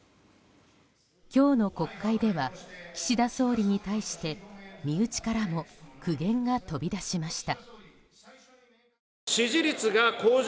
今日の国会では岸田総理に対して身内からも苦言が飛び出しました。